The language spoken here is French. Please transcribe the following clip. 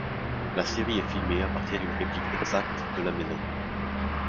La série est filmée à partir d’une réplique exacte de la maison.